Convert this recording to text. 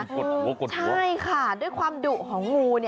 กดหัวกดหัวใช่ค่ะด้วยความดุของงู